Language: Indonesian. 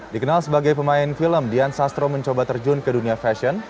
dikenal sebagai pemain film dian sastro mencoba terjun ke dunia fashion